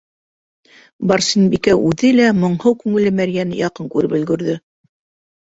Барсынбикә үҙе лә моңһоу күңелле мәрйәне яҡын күреп өлгөрҙө.